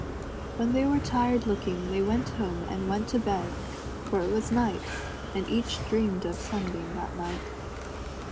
When they were tired looking they went home and went to bed, for it was night, and each dreamed of Sunbeam that night.